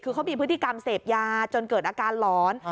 คือเขามีพฤติกรรมเสพยาจนเกิดอาการหลอน